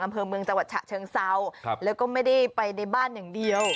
อำเภอเมืองจังหวัดฉะเชิงเซาครับแล้วก็ไม่ได้ไปในบ้านอย่างเดียว